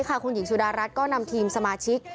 คุณหญิงสุดารัฐก็นำทีมสมาชิก